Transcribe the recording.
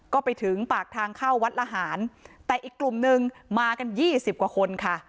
ก็ไปถึงปากทางเข้าวัดละหารแต่อีกกลุ่มนึงมากันยี่สิบกว่าคนค่ะ